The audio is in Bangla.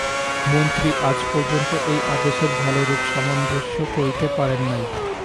মন্ত্রী আজ পর্যন্ত এই আদেশের ভালোরূপ সামঞ্জস্য করিতে পারেন নাই।